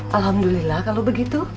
alhamdulillah kalau begitu